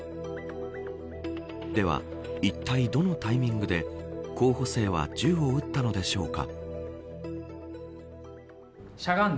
では、いったいどのタイミングで候補生は銃を撃ったのでしょうか。